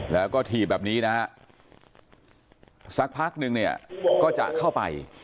แล้วก็ถีบแบบนี้นะฮะสักพักนึงเนี่ยก็จะเข้าไป